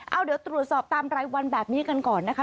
เอาเดี๋ยวตรวจสอบตามรายวันแบบนี้กันก่อนนะคะ